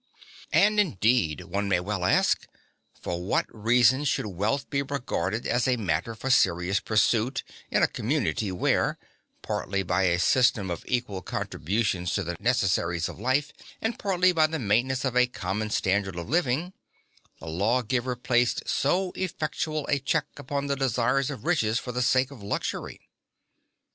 And indeed, one may well ask, for what reason should wealth be regarded as a matter for serious pursuit (1) in a community where, partly by a system of equal contributions to the necessaries of life, and partly by the maintenance of a common standard of living, the lawgiver placed so effectual a check upon the desire of riches for the sake of luxury?